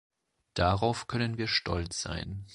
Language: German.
Darauf können wir stolz sein.